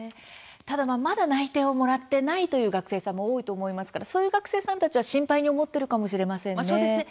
ただ、まだ内定をもらってないという学生さんも多いと思いますからそういう学生さんたちは心配に思っているかもしれませんね。